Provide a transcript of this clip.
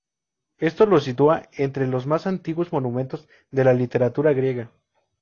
Esto los sitúa entre los más antiguos monumentos de la literatura griega.